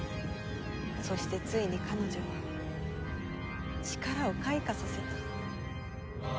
そしてついに彼女は力を開花させた。